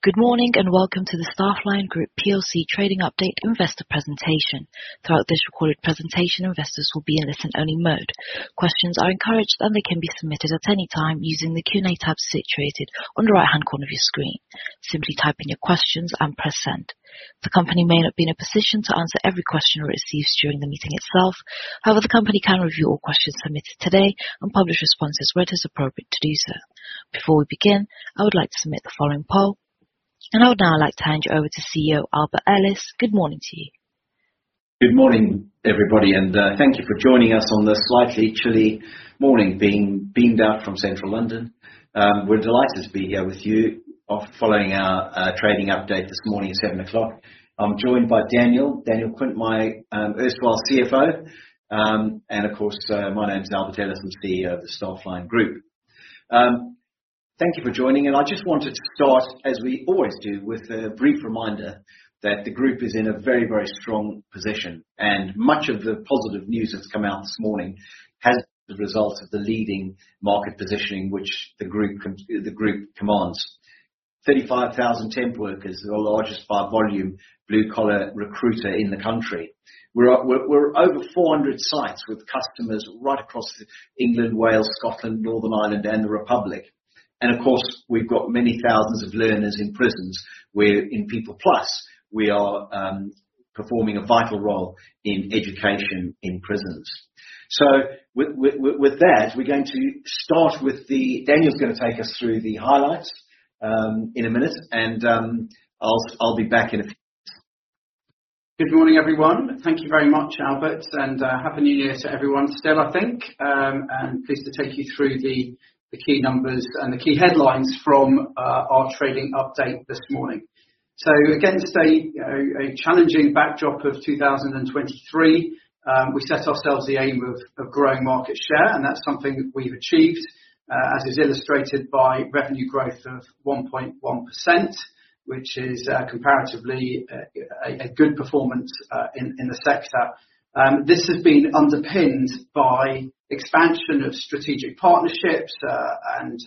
Good morning, and welcome to the Staffline Group PLC Trading Update Investor Presentation. Throughout this recorded presentation, investors will be in listen-only mode. Questions are encouraged, and they can be submitted at any time using the Q&A tab situated on the right-hand corner of your screen. Simply type in your questions and press 'Send'. The company may not be in a position to answer every question received during the meeting itself. However, the company can review all questions submitted today and publish responses where it is appropriate to do so. Before we begin, I would like to submit the following poll, and I would now like to hand you over to CEO, Albert Ellis. Good morning to you. Good morning, everybody, and thank you for joining us on this slightly chilly morning, being beamed out from Central London. We're delighted to be here with you, following our trading update this morning at 7:00 A.M. I'm joined by Daniel, Daniel Quint, my erstwhile CFO. And of course, my name is Albert Ellis, I'm the CEO of the Staffline Group. Thank you for joining, and I just wanted to start, as we always do, with a brief reminder that the group is in a very, very strong position, and much of the positive news that's come out this morning has the result of the leading market positioning which the group commands. 35,000 temp workers, the largest by volume, blue-collar recruiter in the country. We're over 400 sites with customers right across England, Wales, Scotland, Northern Ireland, and the Republic. And of course, we've got many thousands of learners in prisons, where in PeoplePlus, we are performing a vital role in education in prisons. So with that, we're going to start with the, Daniel's gonna take us through the highlights in a minute, and I'll be back in. Good morning, everyone. Thank you very much, Albert, and Happy New Year to everyone, still, I think. Pleased to take you through the key numbers and the key headlines from our trading update this morning. So again, just a challenging backdrop of 2023. We set ourselves the aim of growing market share, and that's something we've achieved, as is illustrated by revenue growth of 1.1%, which is comparatively a good performance in the sector. This has been underpinned by expansion of strategic partnerships and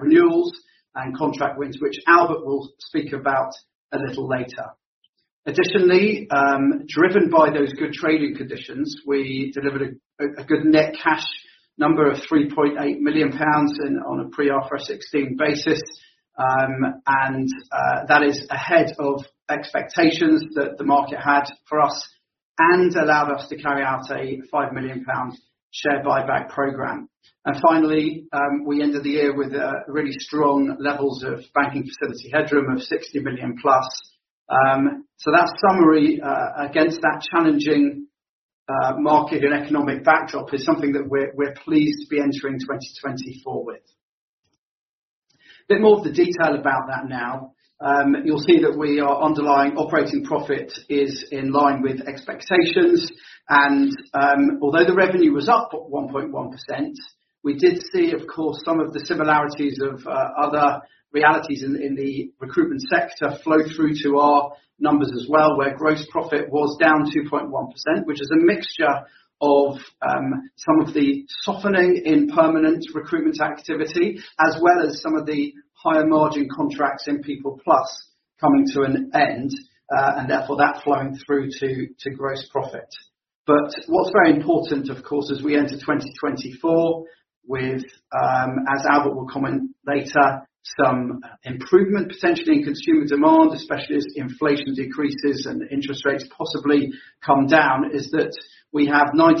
renewals and contract wins, which Albert will speak about a little later. Additionally, driven by those good trading conditions, we delivered a good net cash number of 3.8 million pounds on a pre-IFRS 16 basis. That is ahead of expectations that the market had for us, and allowed us to carry out a 5 million pound share buyback program. Finally, we ended the year with really strong levels of banking facility headroom of 60 million+. So that summary, against that challenging market and economic backdrop, is something that we're, we're pleased to be entering 2024 with. Bit more of the detail about that now. You'll see that our underlying operating profit is in line with expectations, and although the revenue was up 1.1%, we did see, of course, some of the similarities of other realities in the recruitment sector flow through to our numbers as well, where gross profit was down 2.1%, which is a mixture of some of the softening in permanent recruitment activity, as well as some of the higher margin contracts in PeoplePlus coming to an end, and therefore, that flowing through to gross profit. But what's very important, of course, as we enter 2024 with, as Albert will comment later, some improvement, potentially in consumer demand, especially as inflation decreases and interest rates possibly come down, is that we have 90%,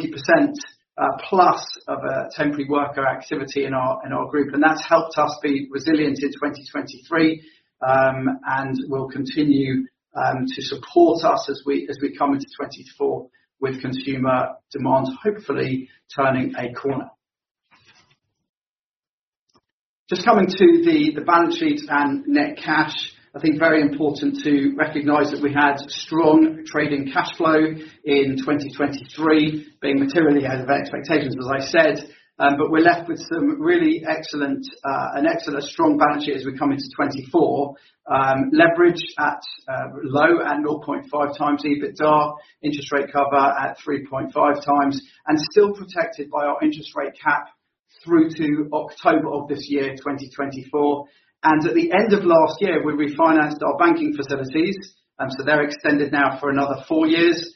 plus of temporary worker activity in our group, and that's helped us be resilient in 2023, and will continue to support us as we come into 2024, with consumer demand, hopefully turning a corner. Just coming to the balance sheet and net cash, I think very important to recognize that we had strong trading cashflow in 2023, being materially ahead of expectations, as I said. But we're left with an excellent strong balance sheet as we come into 2024. Leverage at low and 0.5x EBITDA, interest rate cover at 3.5x, and still protected by our interest rate cap through to October of this year, 2024. At the end of last year, we refinanced our banking facilities, so they're extended now for another four years,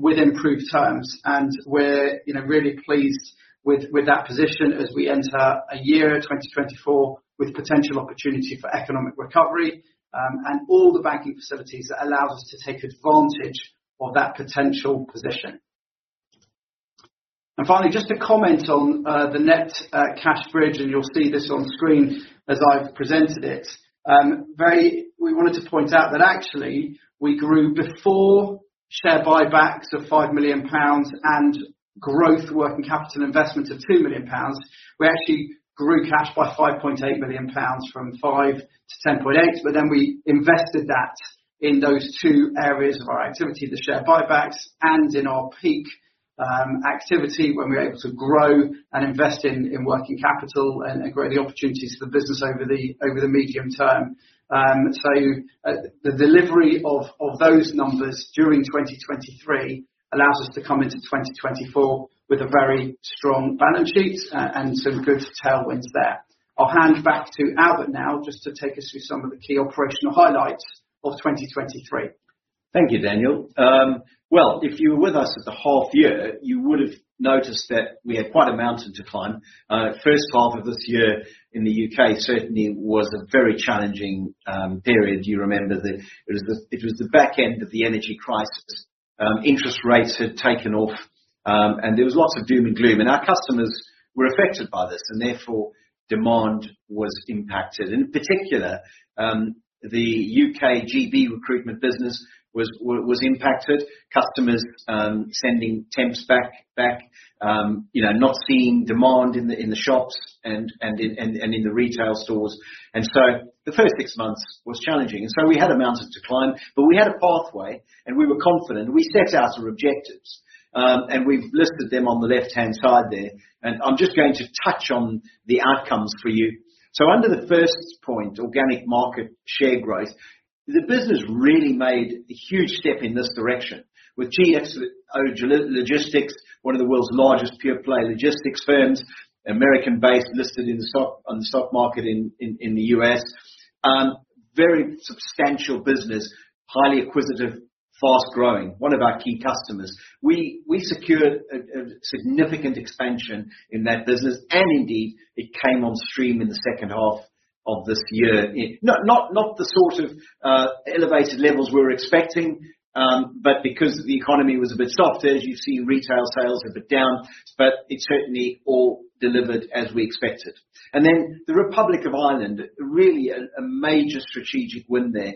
with improved terms. And we're, you know, really pleased with that position as we enter a year, 2024, with potential opportunity for economic recovery, and all the banking facilities that allow us to take advantage of that potential position. And finally, just to comment on the net cash bridge, and you'll see this on screen as I've presented it. We wanted to point out that actually, we grew before share buybacks of 5 million pounds, and growth working capital investment of 2 million pounds. We actually grew cash by 5.8 million pounds, from 5 million-10.8 million, but then we invested that in those two areas of our activity, the share buybacks and in our peak activity, when we were able to grow and invest in working capital and grow the opportunities for the business over the medium term. So, the delivery of those numbers during 2023 allows us to come into 2024 with a very strong balance sheet, and some good tailwinds there. I'll hand back to Albert now, just to take us through some of the key operational highlights of 2023. Thank you, Daniel. Well, if you were with us at the half year, you would have noticed that we had quite a mountain to climb. First half of this year in the U.K. certainly was a very challenging period. You remember that it was the back end of the energy crisis. Interest rates had taken off, and there was lots of doom and gloom, and our customers were affected by this, and therefore demand was impacted. In particular, the U.K. GB recruitment business was impacted. Customers sending temps back, you know, not seeing demand in the shops and in the retail stores. And so the first six months was challenging, and so we had a mountain to climb, but we had a pathway, and we were confident. We set out our objectives, and we've listed them on the left-hand side there, and I'm just going to touch on the outcomes for you. So under the first point, organic market share growth, the business really made a huge step in this direction with GXO Logistics, one of the world's largest pure-play logistics firms, American-based, listed on the stock market in the U.S. Very substantial business, highly acquisitive, fast-growing, one of our key customers. We secured a significant expansion in that business, and indeed, it came on stream in the second half of this year. Not the sort of elevated levels we were expecting, but because the economy was a bit softer, as you see, retail sales were a bit down, but it certainly all delivered as we expected. And then the Republic of Ireland, really a major strategic win there,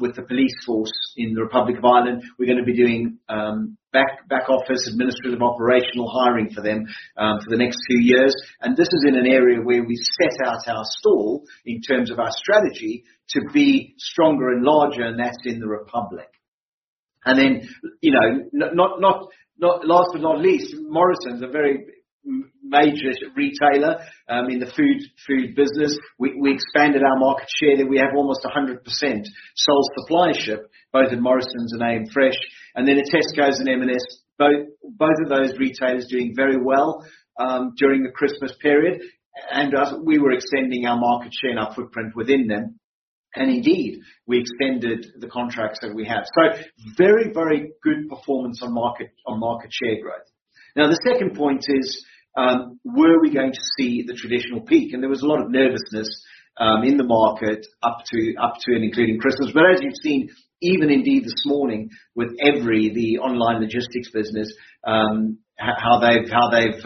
with the police force in the Republic of Ireland. We're gonna be doing back office, administrative, operational hiring for them, for the next two years. And this is in an area where we set out our stall, in terms of our strategy, to be stronger and larger, and that's in the Republic. And then, you know, last but not least, Morrisons, a very major retailer, in the food business. We expanded our market share there. We have almost 100% sole suppliership, both in Morrisons and AMFresh, and then at Tesco and M&S, both of those retailers doing very well during the Christmas period, and as we were extending our market share and our footprint within them, and indeed, we extended the contracts that we had. So very, very good performance on market share growth. Now, the second point is, where are we going to see the traditional peak? And there was a lot of nervousness in the market up to, and including Christmas. But as you've seen, even indeed this morning, with Evri, the online logistics business, how they've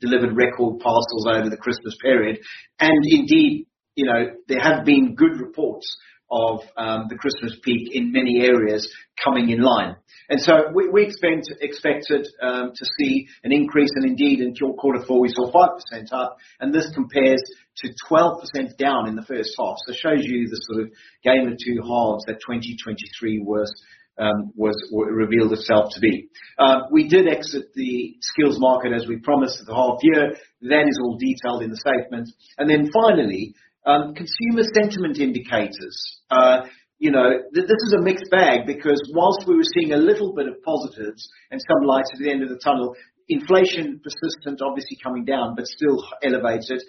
delivered record parcels over the Christmas period, and indeed, you know, there have been good reports of the Christmas peak in many areas coming in line. So we expected to see an increase, and indeed, in quarter four, we saw 5% up, and this compares to 12% down in the first half. So it shows you the sort of game of two halves that 2023 was, was revealed itself to be. We did exit the skills market as we promised at the half-year, that is all detailed in the statement. And then finally, consumer sentiment indicators. You know, this is a mixed bag, because whilst we were seeing a little bit of positives and some light at the end of the tunnel, inflation persistent, obviously coming down, but still elevated.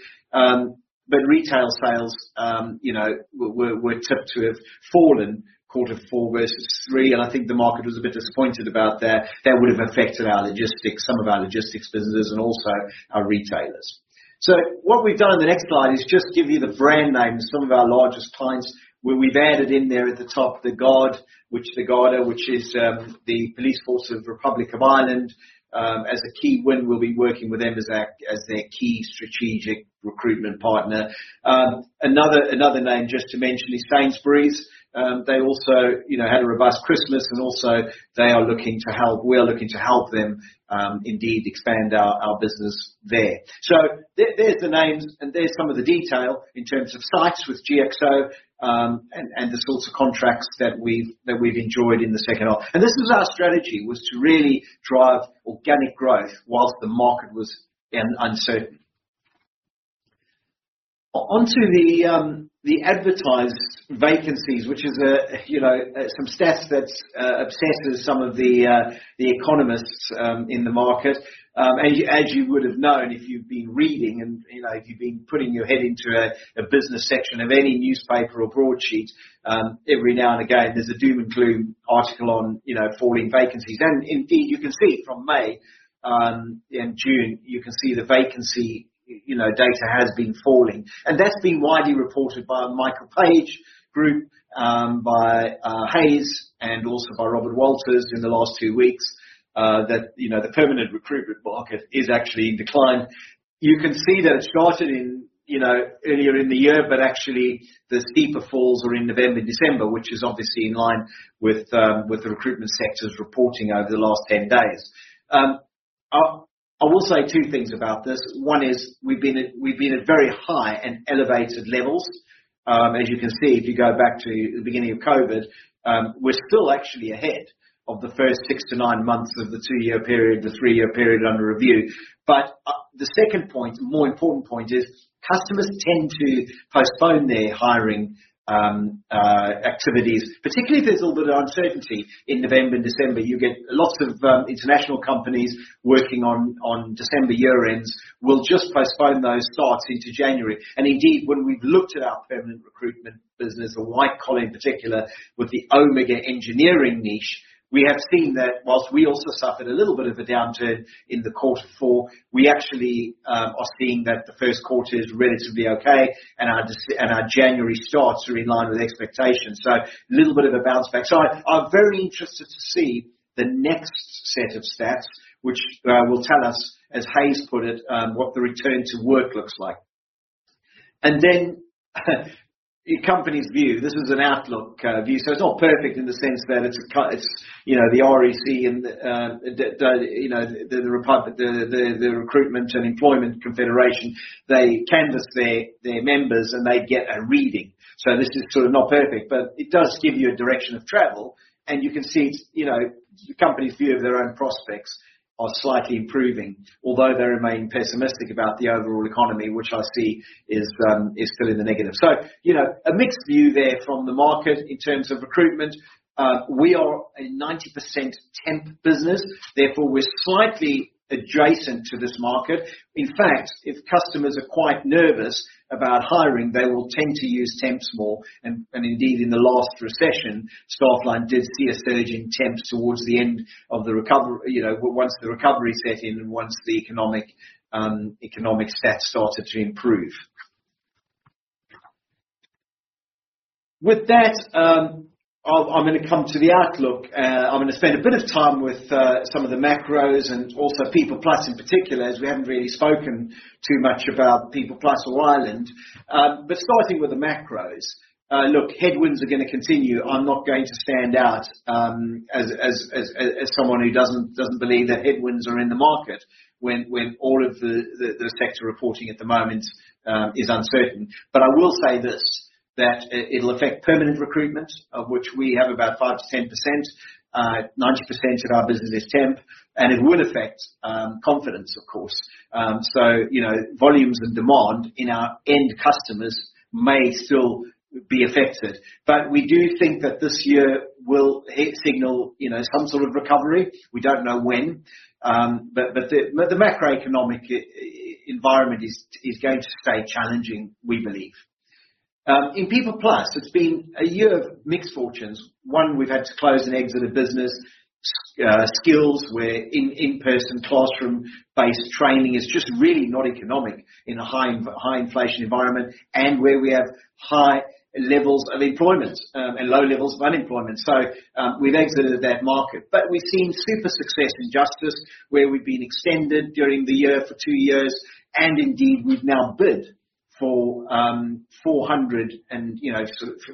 But retail sales, you know, were tipped to have fallen quarter four versus three, and I think the market was a bit disappointed about that. That would have affected our logistics, some of our logistics businesses and also our retailers. So what we've done in the next slide is just give you the brand names of some of our largest clients, where we've added in there at the top, An Garda Síochána, which is the police force of Republic of Ireland, as a key win. We'll be working with them as their key strategic recruitment partner. Another name just to mention is Sainsbury's. They also, you know, had a robust Christmas, and also we are looking to help them indeed expand our business there. So there, there's the names, and there's some of the detail in terms of sites with GXO, and the sorts of contracts that we've enjoyed in the second half. This was our strategy, was to really drive organic growth while the market was uncertain. Onto the advertised vacancies, which is a, you know, some stats that obsesses some of the economists in the market. As you would have known, if you've been reading and, you know, if you've been putting your head into a business section of any newspaper or broadsheet, every now and again, there's a doom and gloom article on, you know, falling vacancies. And indeed, you can see from May and June, you can see the vacancy data has been falling, and that's been widely reported by Michael Page Group, and Hays, and also by Robert Walters in the last two weeks, that the permanent recruitment market is actually in decline. You can see that it started in, you know, earlier in the year, but actually, the steeper falls are in November and December, which is obviously in line with, with the recruitment sectors reporting over the last 10 days. I will say two things about this. One is, we've been at very high and elevated levels. As you can see, if you go back to the beginning of COVID, we're still actually ahead of the first 6-9 months of the 2-year period, the 3-year period under review, but. The second point, and more important point, is customers tend to postpone their hiring activities, particularly if there's a lot of uncertainty in November and December. You get lots of international companies working on December year-ends, will just postpone those starts into January. Indeed, when we've looked at our permanent recruitment business, or white collar in particular, with the Omega engineering niche, we have seen that whilst we also suffered a little bit of a downturn in the quarter four, we actually are seeing that the first quarter is relatively okay, and our January starts are in line with expectations. So a little bit of a bounce back. So I, I'm very interested to see the next set of stats, which will tell us, as Hays put it, what the return to work looks like. And then, in companies' view, this was an outlook view, so it's not perfect in the sense that it's a—it's, you know, the REC and the Recruitment & Employment Confederation, they canvas their members, and they get a reading. So this is sort of not perfect, but it does give you a direction of travel, and you can see it's, you know, companies' view of their own prospects are slightly improving, although they remain pessimistic about the overall economy, which I see is still in the negative. So, you know, a mixed view there from the market in terms of recruitment. We are a 90% temp business, therefore we're slightly adjacent to this market. In fact, if customers are quite nervous about hiring, they will tend to use temps more. Indeed, in the last recession, Staffline did see a surge in temps towards the end of the recovery. You know, once the recovery set in and once the economic, economic stats started to improve. With that, I'm gonna come to the outlook. I'm gonna spend a bit of time with some of the macros and also PeoplePlus in particular, as we haven't really spoken too much about PeoplePlus or Ireland. But starting with the macros. Look, headwinds are gonna continue. I'm not going to stand out as someone who doesn't believe that headwinds are in the market, when all of the sector reporting at the moment is uncertain. But I will say this, that it, it'll affect permanent recruitment, of which we have about 5%-10%, 90% of our business is temp, and it will affect, confidence, of course. So, you know, volumes and demand in our end customers may still be affected. But we do think that this year will hit signal, you know, some sort of recovery. We don't know when, but the macroeconomic environment is going to stay challenging, we believe. In PeoplePlus, it's been a year of mixed fortunes. One, we've had to close and exit a business, skills, where in-person, classroom-based training is just really not economic in a high inflation environment, and where we have high levels of employment, and low levels of unemployment. So, we've exited that market. But we've seen super success in Justice, where we've been extended during the year for two years, and indeed, we've now bid for, you know,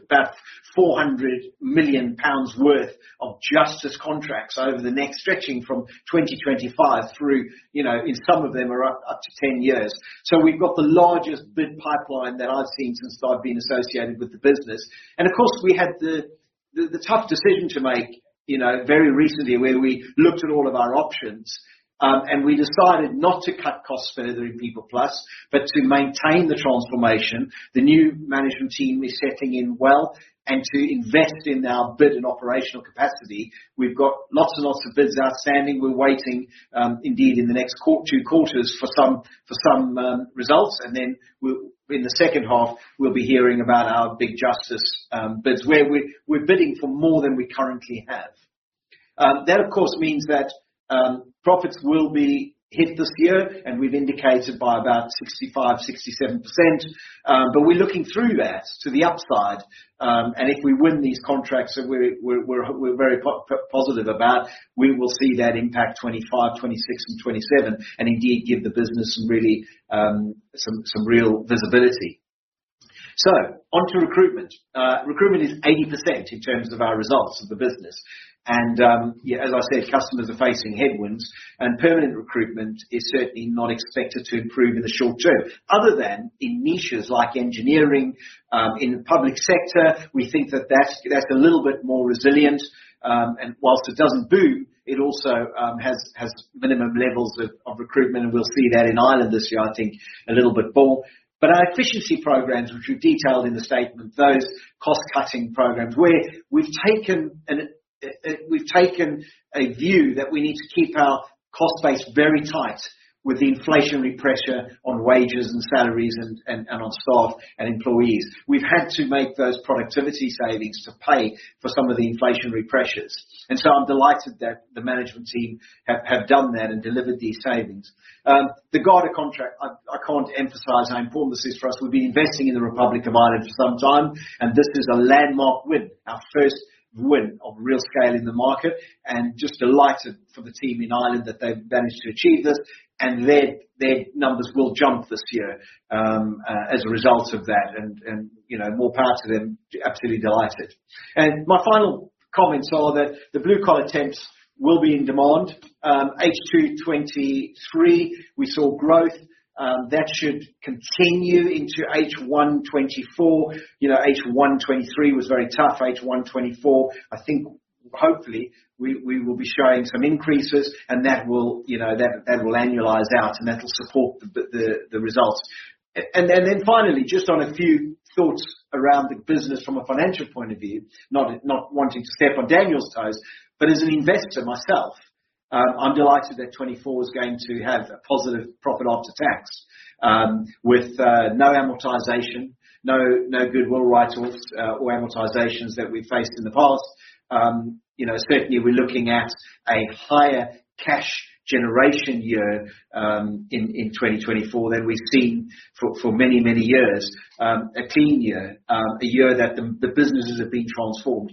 about 400 million pounds worth of Justice contracts over the next. Stretching from 2025 through, you know, and some of them are up to 10 years. So we've got the largest bid pipeline that I've seen since I've been associated with the business. And of course, we had the tough decision to make, you know, very recently, where we looked at all of our options, and we decided not to cut costs further in PeoplePlus, but to maintain the transformation. The new management team is setting in well, and to invest in our bid and operational capacity. We've got lots and lots of bids outstanding. We're waiting, indeed, in the next two quarters for some results, and then in the second half, we'll be hearing about our big Justice bids, where we're bidding for more than we currently have. That, of course, means that profits will be hit this year, and we've indicated by about 65%-67%, but we're looking through that to the upside. And if we win these contracts that we're very positive about, we will see that impact 2025, 2026 and 2027, and indeed give the business some really some real visibility. So on to recruitment. Recruitment is 80% in terms of our results of the business. Yeah, as I said, customers are facing headwinds, and permanent recruitment is certainly not expected to improve in the short term, other than in niches like engineering in the public sector. We think that that's a little bit more resilient, and while it doesn't boom, it also has minimum levels of recruitment, and we'll see that in Ireland this year, I think a little bit more. But our efficiency programs, which we've detailed in the statement, those cost-cutting programs where we've taken a view that we need to keep our cost base very tight with the inflationary pressure on wages and salaries and on staff and employees. We've had to make those productivity savings to pay for some of the inflationary pressures. And so I'm delighted that the management team have done that and delivered these savings. The Garda contract, I can't emphasize how important this is for us. We've been investing in the Republic of Ireland for some time, and this is a landmark win, our first win of real scale in the market, and just delighted for the team in Ireland that they've managed to achieve this, and their numbers will jump this year, as a result of that. And you know, more power to them, absolutely delighted. And my final comments are that the blue-collar temps will be in demand. H2 2023, we saw growth. That should continue into H1 2024. You know, H1 2023 was very tough. H1 2024, I think, hopefully, we will be showing some increases, and that will, you know, that will annualize out, and that will support the results. And then finally, just on a few thoughts around the business from a financial point of view, not wanting to step on Daniel's toes, but as an investor myself, I'm delighted that 2024 is going to have a positive profit after tax, with no amortization, no goodwill write-offs, or amortizations that we've faced in the past. You know, certainly we're looking at a higher cash generation year in 2024 than we've seen for many years. A clean year, a year that the businesses have been transformed.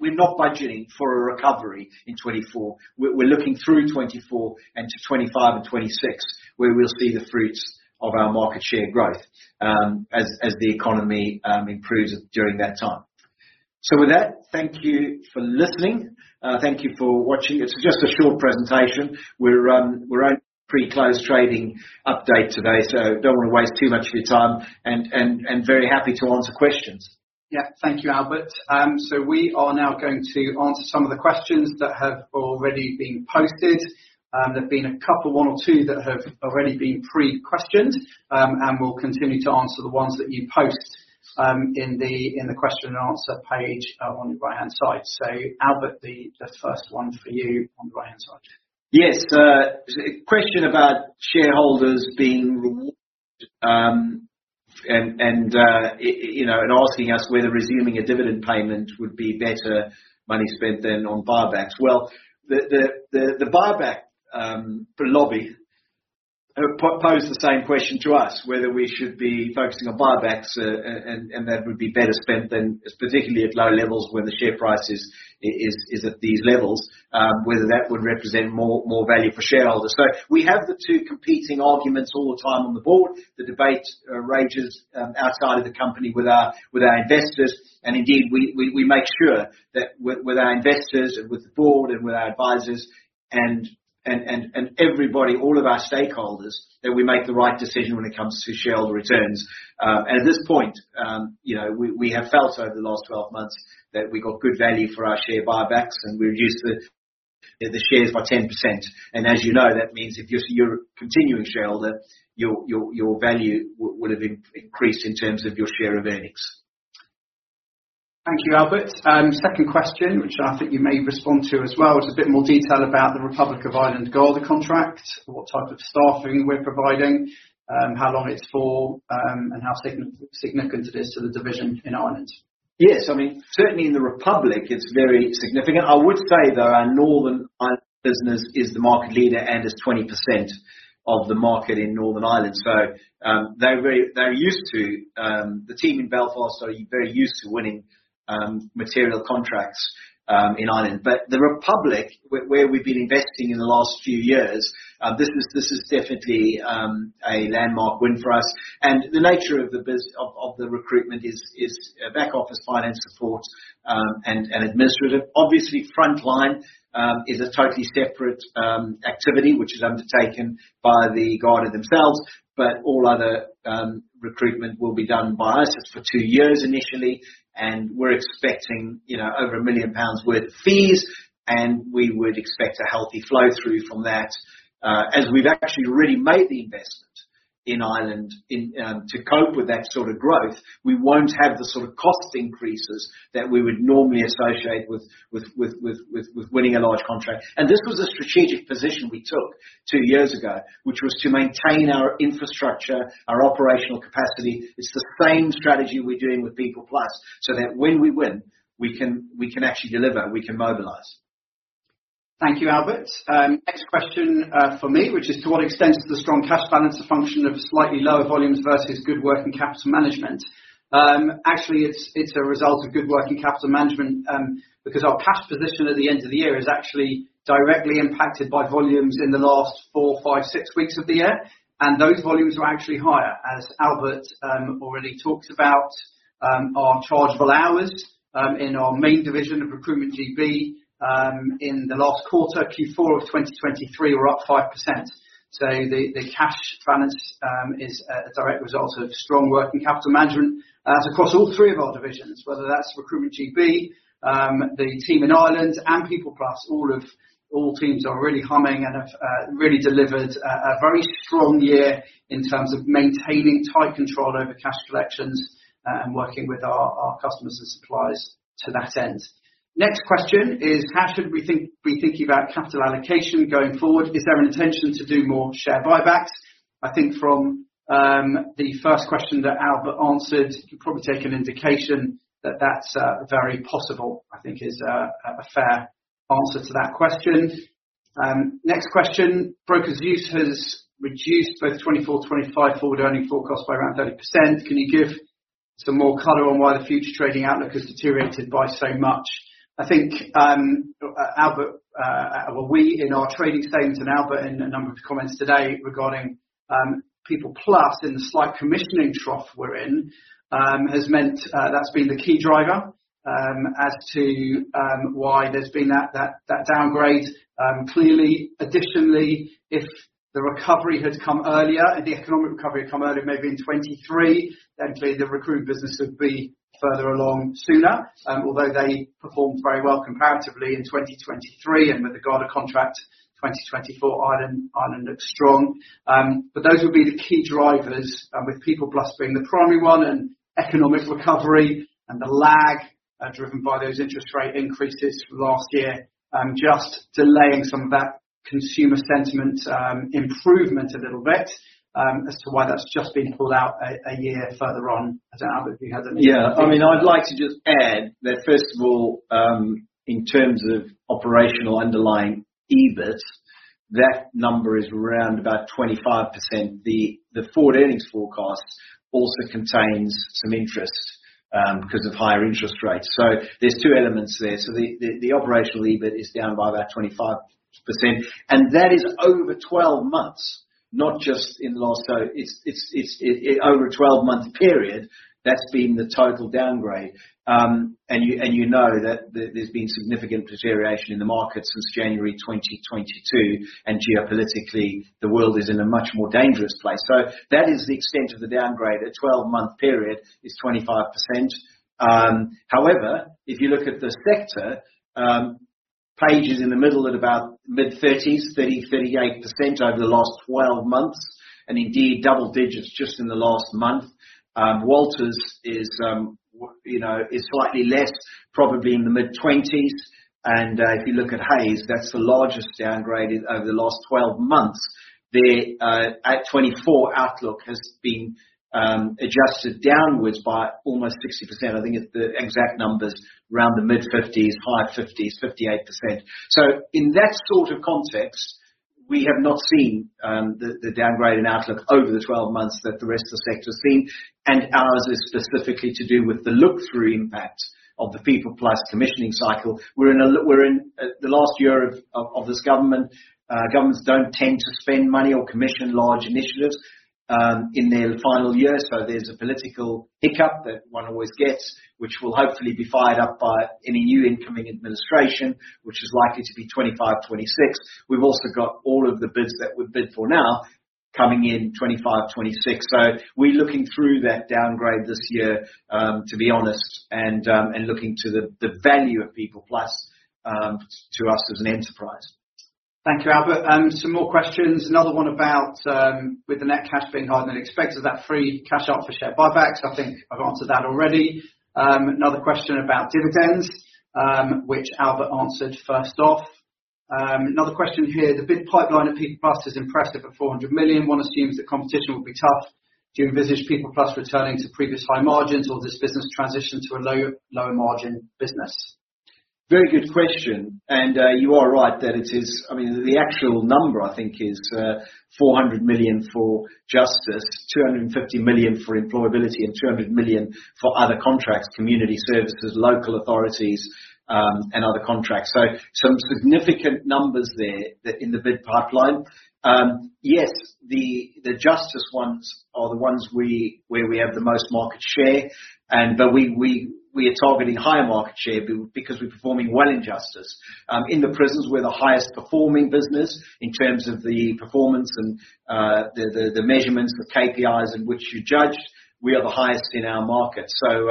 We're not budgeting for a recovery in 2024. We're looking through 2024 into 2025 and 2026, where we'll see the fruits of our market share growth, as the economy improves during that time. So with that, thank you for listening. Thank you for watching. It's just a short presentation. We're on pre-close trading update today, so don't wanna waste too much of your time, and very happy to answer questions. Yeah. Thank you, Albert. So we are now going to answer some of the questions that have already been posted. There have been a couple, one or two, that have already been pre-questioned, and we'll continue to answer the ones that you post in the question and answer page on your right-hand side. So Albert, the first one for you on the right-hand side. Yes. A question about shareholders being rewarded, and you know, asking us whether resuming a dividend payment would be better money spent than on buybacks. Well, the buyback lobby posed the same question to us, whether we should be focusing on buybacks, and that would be better spent than, particularly at low levels, when the share price is at these levels, whether that would represent more value for shareholders. So we have the two competing arguments all the time on the board. The debate rages outside of the company with our investors, and indeed, we make sure that with our investors and with the board and with our advisors and everybody, all of our stakeholders, that we make the right decision when it comes to shareholder returns. And at this point, you know, we have felt over the last 12 months that we got good value for our share buybacks, and we reduced the shares by 10%. And as you know, that means if you're a continuing shareholder, your value would have increased in terms of your share of earnings. Thank you, Albert. Second question, which I think you may respond to as well, is a bit more detail about the Republic of Ireland Garda contract, what type of staffing we're providing, how long it's for, and how significant it is to the division in Ireland? Yes. I mean, certainly in the Republic, it's very significant. I would say, though, our Northern Ireland business is the market leader and is 20% of the market in Northern Ireland. So, they're very used to the team in Belfast are very used to winning material contracts in Ireland. But the Republic, where we've been investing in the last few years, this is, this is definitely a landmark win for us. And the nature of the business of the recruitment is, is back office finance support, and administrative. Obviously, frontline is a totally separate activity, which is undertaken by the Garda themselves, but all other recruitment will be done by us. It's for two years initially, and we're expecting, you know, over 1 million pounds worth of fees, and we would expect a healthy flow-through from that. As we've actually already made the investment in Ireland to cope with that sort of growth, we won't have the sort of cost increases that we would normally associate with winning a large contract. And this was a strategic position we took two years ago, which was to maintain our infrastructure, our operational capacity. It's the same strategy we're doing with PeoplePlus, so that when we win, we can actually deliver, we can mobilize. Thank you, Albert. Next question, for me, which is: To what extent is the strong cash balance a function of slightly lower volumes versus good working capital management? Actually, it's, it's a result of good working capital management, because our cash position at the end of the year is actually directly impacted by volumes in the last 4, 5, 6 weeks of the year, and those volumes are actually higher. As Albert already talked about, our chargeable hours in our main division of Recruitment GB, in the last quarter, Q4 of 2023, were up 5%. So the, the cash balance is a, a direct result of strong working capital management across all three of our divisions, whether that's Recruitment GB, the team in Ireland, and PeoplePlus. All teams are really humming and have really delivered a very strong year in terms of maintaining tight control over cash collections and working with our customers and suppliers to that end. Next question is: How should we think, be thinking about capital allocation going forward? Is there an intention to do more share buybacks? I think from the first question that Albert answered, you can probably take an indication that that's very possible, I think is a fair answer to that question. Next question: Brokers' views has reduced both 2024, 2025 forward earnings forecast by around 30%. Can you give some more color on why the future trading outlook has deteriorated by so much? I think, Albert, well, we in our trading statements, and Albert in a number of comments today regarding PeoplePlus and the slight commissioning trough we're in has meant that's been the key driver as to why there's been that downgrade. Clearly, additionally, if the recovery had come earlier, if the economic recovery had come earlier, maybe in 2023, then clearly the recruit business would be further along sooner. Although they performed very well comparatively in 2023, and with the Garda contract, 2024, Ireland looks strong. But those would be the key drivers with PeoplePlus being the primary one, and economic recovery and the lag driven by those interest rate increases from last year just delaying some of that consumer sentiment, improvement a little bit, as to why that's just been pulled out a year further on. I don't know, Albert, if you have anything- Yeah. I mean, I'd like to just add that first of all, in terms of operational underlying EBIT, that number is around about 25%. The forward earnings forecast also contains some interest because of higher interest rates. So there's 2 elements there. So the operational EBIT is down by about 25%, and that is over 12 months, not just in the last. It's over a 12-month period, that's been the total downgrade. And you know that there's been significant deterioration in the market since January 2022, and geopolitically, the world is in a much more dangerous place. So that is the extent of the downgrade. A 12-month period is 25%. However, if you look at the sector, Page is in the middle at about mid-30%, 30%, 38% over the last 12 months, and indeed, double digits just in the last month. Walters is, you know, is slightly less, probably in the mid-20%. And, if you look at Hays, that's the largest downgrade over the last 12 months. Their, at 2024 outlook has been, adjusted downwards by almost 60%. I think it's the exact number's around the mid-50%, high 50%, 58%. So in that sort of context, we have not seen, the downgrade in outlook over the 12 months that the rest of the sector has seen, and ours is specifically to do with the look-through impact of the PeoplePlus commissioning cycle. We're in, the last year of this government. Governments don't tend to spend money or commission large initiatives in their final year, so there's a political hiccup that one always gets, which will hopefully be fired up by any new incoming administration, which is likely to be 2025, 2026. We've also got all of the bids that we've bid for now coming in 2025, 2026. So we're looking through that downgrade this year, to be honest, and looking to the value of PeoplePlus to us as an enterprise. Thank you, Albert. Some more questions. Another one about, with the net cash being higher than expected, is that free cash up for share buybacks? I think I've answered that already. Another question about dividends, which Albert answered first off. Another question here: "The bid pipeline at PeoplePlus is impressive at 400 million. One assumes that competition will be tough. Do you envisage PeoplePlus returning to previous high margins, or this business transition to a lower, lower margin business? Very good question, and you are right, that it is, I mean, the actual number, I think, is 400 million for Justice, 250 million for Employability, and 200 million for other contracts, community services, local authorities, and other contracts. So some significant numbers there, that in the bid pipeline. Yes, the Justice ones are the ones where we have the most market share, and but we are targeting higher market share because we're performing well in Justice. In the prisons, we're the highest performing business in terms of the performance and the measurements, the KPIs in which you judge, we are the highest in our market. So,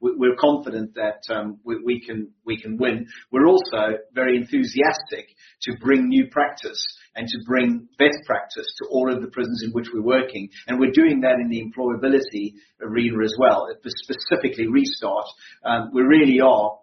we're confident that we can win. We're also very enthusiastic to bring new practice and to bring best practice to all of the prisons in which we're working, and we're doing that in the Employability arena as well, specifically Restart. We really are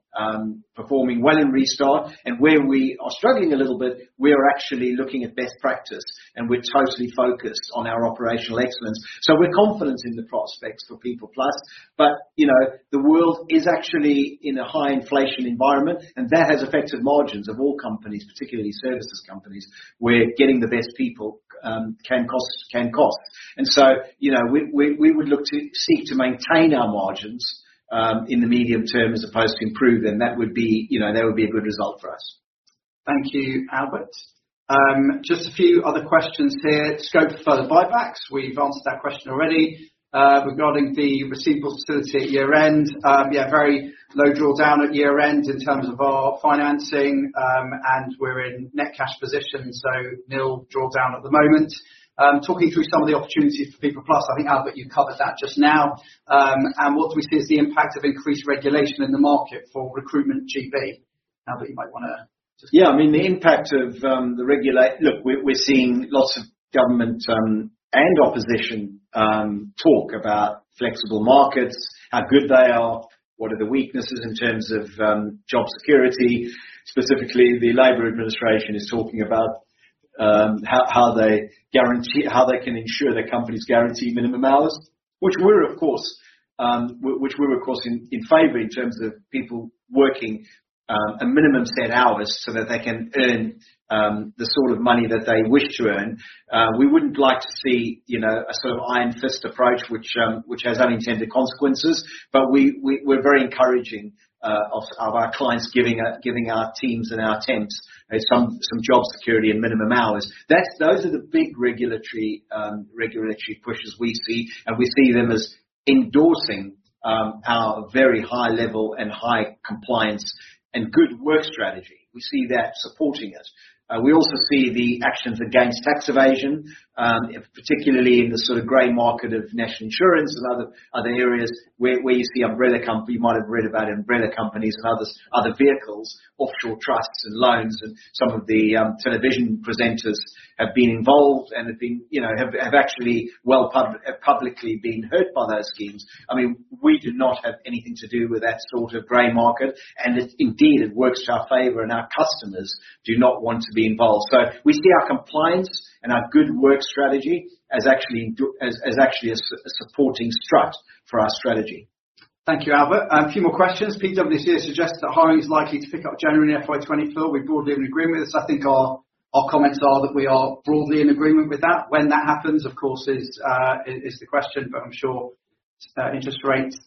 performing well in Restart, and where we are struggling a little bit, we are actually looking at best practice, and we're totally focused on our operational excellence. So we're confident in the prospects for PeoplePlus, but, you know, the world is actually in a high inflation environment, and that has affected margins of all companies, particularly services companies, where getting the best people can cost, can cost. And so, you know, we would look to seek to maintain our margins in the edium term as opposed to improve them. That would be, you know, that would be a good result for us. Thank you, Albert. Just a few other questions here. Scope for further buybacks, we've answered that question already. Regarding the receivables facility at year-end, yeah, very low drawdown at year-end in terms of our financing, and we're in net cash position, so nil drawdown at the moment. Talking through some of the opportunities for PeoplePlus, I think, Albert, you covered that just now. And what do we see as the impact of increased regulation in the market for Recruitment GB? Albert, you might wanna just- Yeah, I mean, the impact of the regulation, look, we're seeing lots of government and opposition talk about flexible markets, how good they are, what are the weaknesses in terms of job security? Specifically, the Labour administration is talking about how they can ensure their companies guarantee minimum hours, which we're of course in favor of, in terms of people working a minimum set hours, so that they can earn the sort of money that they wish to earn. We wouldn't like to see, you know, a sort of iron fist approach, which has unintended consequences, but we're very encouraging of our clients giving our teams and our temps some job security and minimum hours. Those are the big regulatory pushes we see, and we see them as endorsing our very high level and high compliance and good work strategy. We see that supporting us. We also see the actions against tax evasion, particularly in the sort of gray market of national insurance and other areas where you see umbrella company. You might have read about umbrella companies and other vehicles, offshore trusts and loans, and some of the television presenters have been involved and have been, you know, actually publicly been hurt by those schemes. I mean, we did not have anything to do with that sort of gray market, and indeed, it works to our favor, and our customers do not want to be involved. So we see our compliance and our good work strategy as actually a supporting strut for our strategy. Thank you, Albert. A few more questions. PwC suggests that hiring is likely to pick up generally in FY 2024. We broadly in agreement with this? I think our comments are that we are broadly in agreement with that. When that happens, of course, is the question, but I'm sure interest rates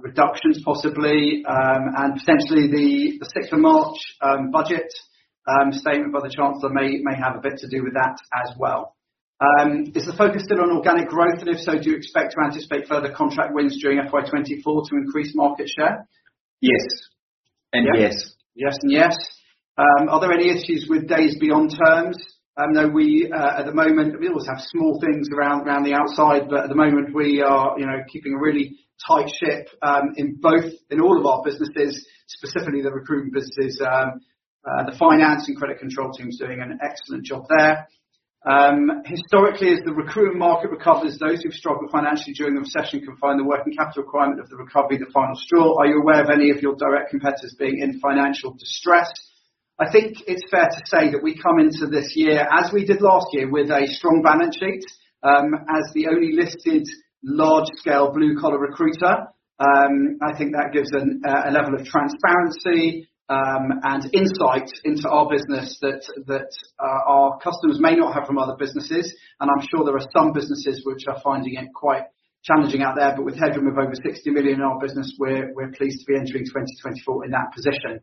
reductions possibly and potentially the sixth of March budget statement by the Chancellor may have a bit to do with that as well. Is the focus still on organic growth? And if so, do you expect to anticipate further contract wins during FY 2024 to increase market share? Yes and yes. Yes and yes. Are there any issues with days beyond terms? No, we at the moment always have small things around the outside, but at the moment, we are, you know, keeping a really tight ship in all of our businesses, specifically the recruitment businesses. The finance and credit control team is doing an excellent job there. Historically, as the recruitment market recovers, those who've struggled financially during the recession can find the working capital requirement of the recovery, the final straw. Are you aware of any of your direct competitors being in financial distress? I think it's fair to say that we come into this year as we did last year, with a strong balance sheet. As the only listed large-scale blue-collar recruiter, I think that gives a level of transparency and insight into our business that our customers may not have from other businesses. And I'm sure there are some businesses which are finding it quite challenging out there, but with headroom of over 60 million in our business, we're pleased to be entering 2024 in that position.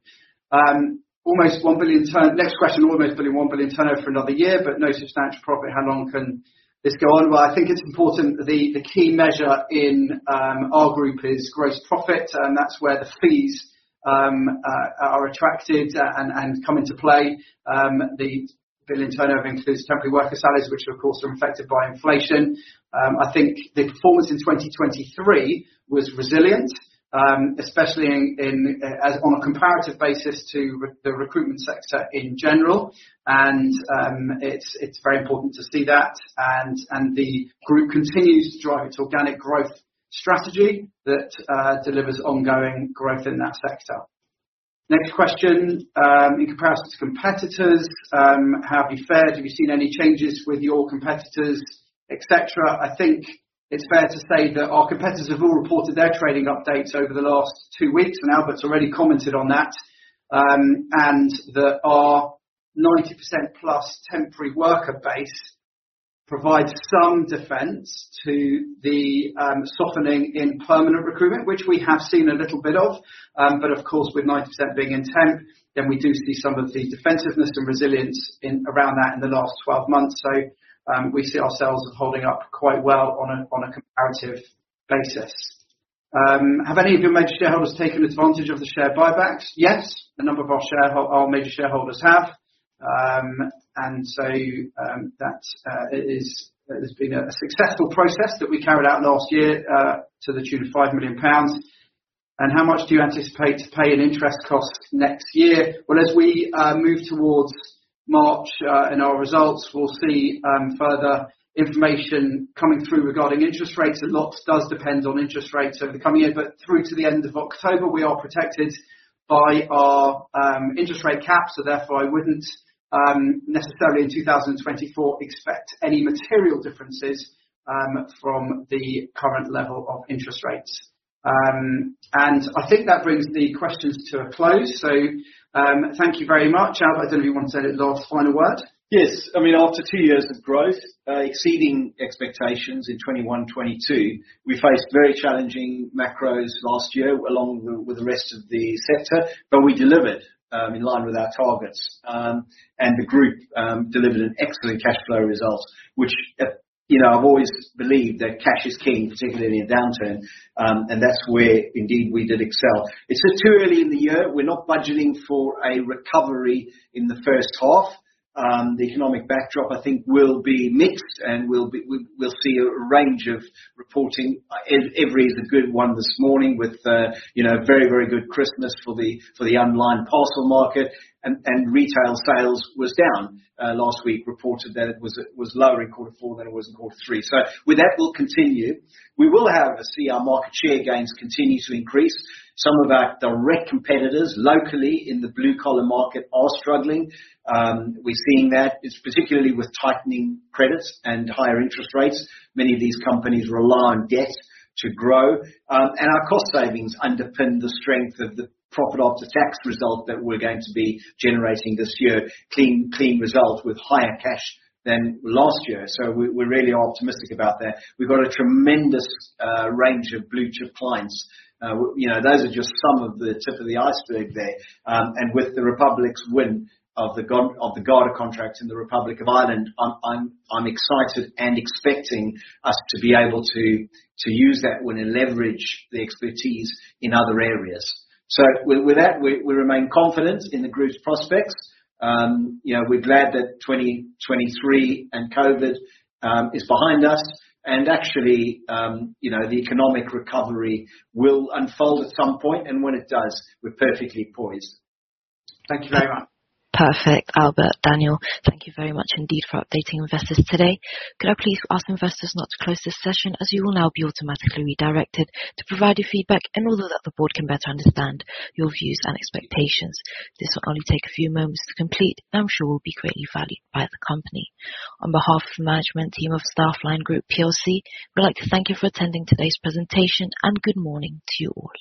Almost 1 billion turn. Next question, almost billion, 1 billion turnover for another year, but no substantial profit. How long can this go on? Well, I think it's important, the key measure in our group is gross profit, and that's where the fees are attracted and come into play. The 1 billion turnover includes temporary worker salaries, which of course, are affected by inflation. I think the performance in 2023 was resilient, especially on a comparative basis to the recruitment sector in general. And, it's very important to see that, and the group continues to drive its organic growth strategy that delivers ongoing growth in that sector. Next question, in comparison to competitors, how have you fared? Have you seen any changes with your competitors, etc.? I think it's fair to say that our competitors have all reported their trading updates over the last two weeks, and Albert's already commented on that. And that our 90%+ temporary worker base provides some defense to the softening in permanent recruitment, which we have seen a little bit of, but of course, with 90% being in temp, then we do see some of the defensiveness and resilience in around that in the last 12 months. So, we see ourselves as holding up quite well on a comparative basis. Have any of your major shareholders taken advantage of the share buybacks? Yes, a number of our major shareholders have. And so, that it has been a successful process that we carried out last year to the tune of 5 million pounds. And how much do you anticipate to pay in interest costs next year? Well, as we move towards March and our results, we'll see further information coming through regarding interest rates. A lot does depend on interest rates over the coming year, but through to the end of October, we are protected by our interest rate cap. So therefore, I wouldn't necessarily in 2024 expect any material differences from the current level of interest rates. And I think that brings the questions to a close. So, thank you very much. Albert, does anyone want to say the last final word? Yes. I mean, after two years of growth, exceeding expectations in 2021, 2022, we faced very challenging macros last year, along with the rest of the sector, but we delivered in line with our targets. And the group delivered an excellent cash flow result, which, you know, I've always believed that cash is king, particularly in a downturn. And that's where indeed we did excel. It's still too early in the year. We're not budgeting for a recovery in the first half. The economic backdrop, I think, will be mixed, and we'll be. We'll see a range of reporting. Every is a good one this morning with a, you know, very, very good Christmas for the online parcel market, and retail sales was down last week, reported that it was lower in quarter four than it was in quarter three. So with that, we'll continue. We will, however, see our market share gains continue to increase. Some of our direct competitors, locally, in the blue-collar market, are struggling. We're seeing that. It's particularly with tightening credits and higher interest rates. Many of these companies rely on debt to grow. And our cost savings underpin the strength of the profit after tax result that we're going to be generating this year, clean, clean results with higher cash than last year. So we really are optimistic about that. We've got a tremendous range of blue-chip clients. You know, those are just some of the tip of the iceberg there. And with the Republic's win of the Garda contracts in the Republic of Ireland, I'm excited and expecting us to be able to use that win and leverage the expertise in other areas. So with that, we remain confident in the group's prospects. You know, we're glad that 2023 and COVID is behind us, and actually, you know, the economic recovery will unfold at some point, and when it does, we're perfectly poised. Thank you very much. Perfect. Albert, Daniel, thank you very much indeed for updating investors today. Could I please ask investors not to close this session, as you will now be automatically redirected to provide your feedback, and we know that the board can better understand your views and expectations. This will only take a few moments to complete, and I'm sure will be greatly valued by the company. On behalf of the management team of Staffline Group PLC, we'd like to thank you for attending today's presentation, and good morning to you all.